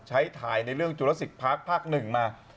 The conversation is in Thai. ใช้ถ่ายในเรื่องจุฤษฎิปหลักหนึ่งมา